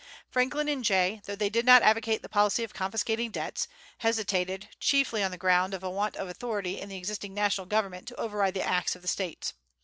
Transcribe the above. Franklin and Jay, though they did not advocate the policy of confiscating debts, hesitated, chiefly on the ground of a want of authority in the existing national government to override the acts of the States.